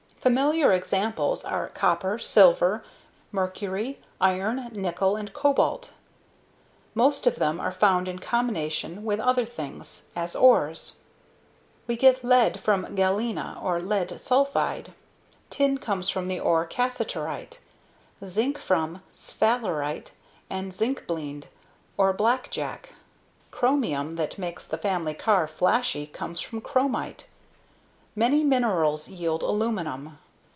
Familiar examples are copper, silver, mercury, iron, nickel and cobalt. Most of them are found in combination with other things as ores. We get lead from galena, or lead sulfide. Tin comes from the ore cassiterite; zinc from sphalerite and zincblende, or blackjack. Chromium that makes the family car flashy comes from chromite. Many minerals yield aluminum.